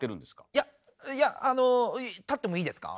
いやいやあの立ってもいいですか。